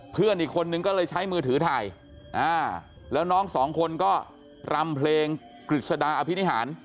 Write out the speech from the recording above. เพื่อนอีกคนนึงก็เลยใช้มือถือถ่ายแล้วน้องสองคนก็รำเพลงกฤษฎาอภินิหาร